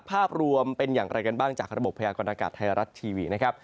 ภาพรวมเป็นอย่างไรกันบ้างจากระบบพยากรณากาศไทยรัฐทีวีนะครับ